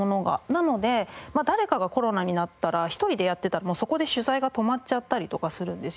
なので誰かがコロナになったら一人でやってたらそこで取材が止まっちゃったりとかするんですよね。